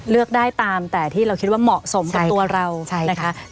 เลือกได้ตามแต่ที่เราคิดว่าเหมาะสมกับตัวเรานะคะ